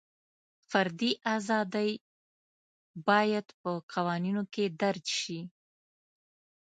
فري ازادۍ باید په قوانینو کې درج شي.